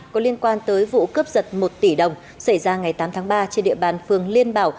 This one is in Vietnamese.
có liên quan tới vụ cướp giật một tỷ đồng xảy ra ngày tám tháng ba trên địa bàn phường liên bảo